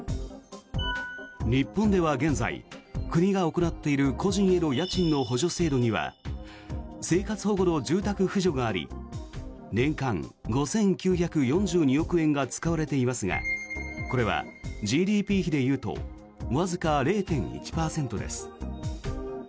日本では現在、国が行っている個人への家賃の補助制度は生活保護の住宅扶助があり年間５９４２億円が使われていますがこれはＧＤＰ比でいうとわずか０．１％です。